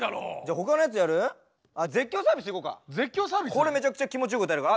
これめちゃくちゃ気持ちよく歌えるから。